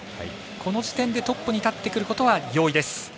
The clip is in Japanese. この時点でトップに立ってくることは容易です。